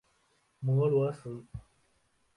摩罗斯。